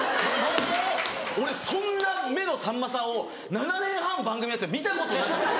俺そんな目のさんまさんを７年半番組やってて見たことなかった。